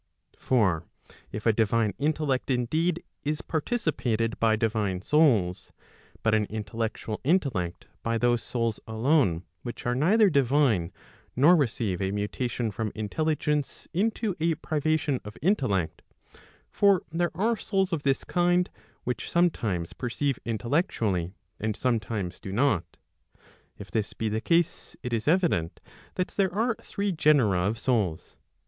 * fcio; is omitted in the original. Digitized by t^OOQLe 424 ELEMENTS PROP. CLXXXV. For if a divine intellect indeed, is participated by divine souls, but an intellectual intellect by those souls alone which are neither divine, nor receive a mutation from intelligence into a privation of intellect (for there are souls of this kind, which sometimes perceive intellectually, and some . times do not);—if this be the case, it is evident that there are three genera of souls.